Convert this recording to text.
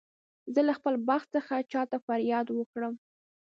زه له خپل بخت څخه چا ته فریاد وکړم.